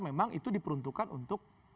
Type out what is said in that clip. memang itu diperuntukkan untuk